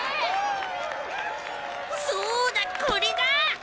そうだこれだ！